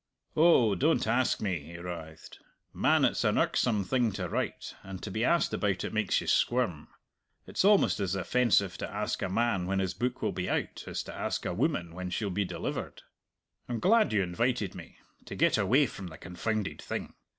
"Oh, don't ask me," he writhed. "Man, it's an irksome thing to write, and to be asked about it makes you squirm. It's almost as offensive to ask a man when his book will be out as to ask a woman when she'll be delivered. I'm glad you invited me to get away from the confounded thing.